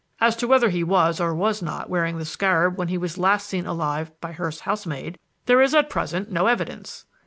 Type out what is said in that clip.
As to whether he was or was not wearing the scarab when he was last seen alive by Hurst's housemaid, there is at present no evidence.